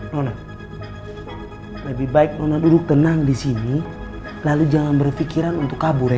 nona lebih baik nona duduk tenang disini lalu jangan berfikiran untuk kabur ya